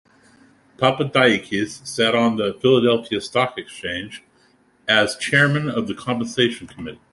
Papadakis sat on the Philadelphia Stock Exchange as chairman of the compensation committee.